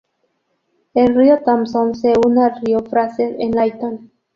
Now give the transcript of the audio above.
El río Thompson se une al río Fraser en Lytton.